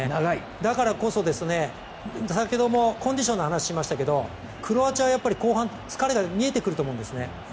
だからこそ、先ほどコンディションの話をしましたけどクロアチアはやっぱり後半、疲れが見えてくると思うんですね。